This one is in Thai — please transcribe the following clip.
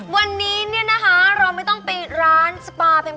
วันนี้นะฮะเราไม่ต้องไปร้านสปาแพง